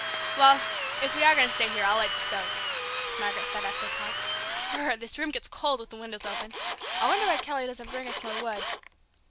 "Well, if we are going to stay here, I'll light the stove," Margaret said after a pause. "B r r r! this room gets cold with the windows open! I wonder why Kelly doesn't bring us more wood?"